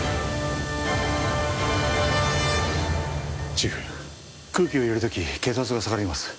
チーフ空気を入れる時血圧が下がります